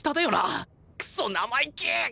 クソ生意気！